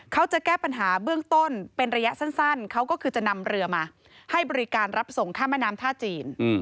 เขาจะแก้ปัญหาเบื้องต้นเป็นระยะสั้นเขาก็คือจะนำเรือมาให้บริการรับส่งข้ามแม่น้ำท่าจีน